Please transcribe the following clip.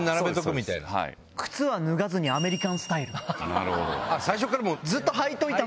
なるほど。